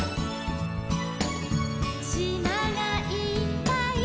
「しまがいっぱい」